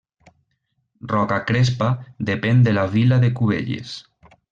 Rocacrespa depèn de la vila de Cubelles.